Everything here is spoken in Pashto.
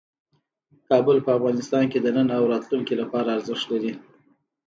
کابل په افغانستان کې د نن او راتلونکي لپاره ارزښت لري.